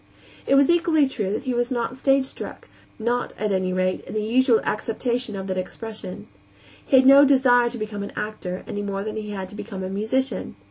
It was equally true that he was not stagestruck not, at any rate, in the usual acceptation of that expression. He had no desire to become an actor, any more than he had to become a musician.